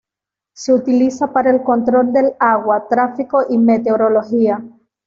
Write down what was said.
Se utiliza para el control del agua, tráfico y meteorología.